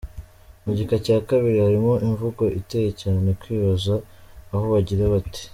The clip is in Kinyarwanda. Mu gika cya kabiri harimo imvugo iteye cyane kwibaza aho bagira bati: